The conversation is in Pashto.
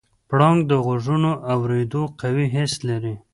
پړانګ د غږونو د اورېدو قوي حس لري.